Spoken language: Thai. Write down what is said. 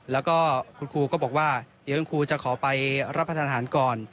แล้วก็คุณครูก็บอกว่าเดี๋ยวคุณครูจะขอไปรับประทานอาหารก่อน